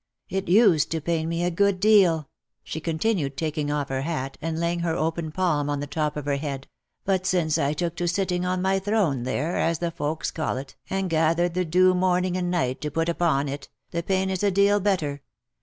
It used to pain me a good deal," she continued, taking off her hat, and laying her open palm on the top of her head, " but since I took to sitting on my throne there, as the folks call it, and gathered the dew morning and night to put upon it, the pain is a deal better."